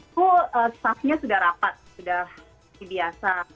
itu staffnya sudah rapat sudah seperti biasa